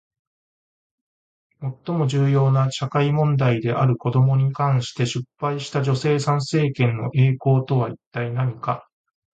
最も重要な社会問題である子どもに関して失敗した女性参政権の栄光とは一体何か？